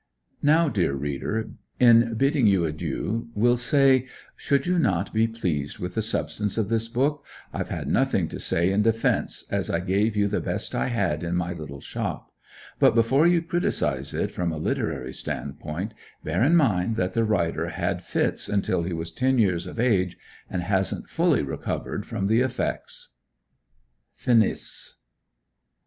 Now, dear reader in bidding you adieu, will say: should you not be pleased with the substance of this book, I've got nothing to say in defence, as I gave you the best I had in my little shop, but before you criticise it from a literary standpoint, bear in mind that the writer had fits until he was ten years of age, and hasn't fully recovered from the effects. FINIS.